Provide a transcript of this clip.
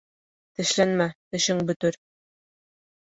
Тешләнмә, тешең бөтөр.